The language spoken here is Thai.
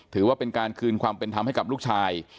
ถือว่าเป็นการคืนความเป็นธรรมให้กับลูกชาย